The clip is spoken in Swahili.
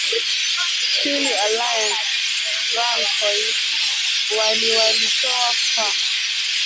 pili alliance francois wali walitoa fa